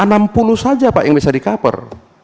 ada enam puluh saja pak yang bisa di cover